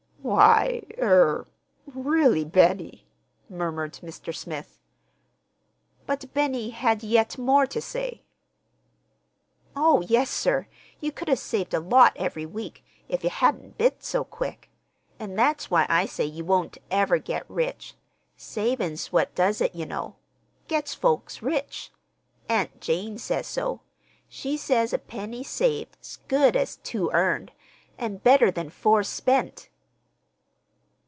"Why—er—really, Benny," murmured Mr. Smith. But Benny had yet more to say. "Oh, yes, sir, you could have saved a lot every week, if ye hadn't bit so quick. An' that's why I say you won't ever get rich. Savin' 's what does it, ye know—gets folks rich. Aunt Jane says so. She says a penny saved 's good as two earned, an' better than four spent."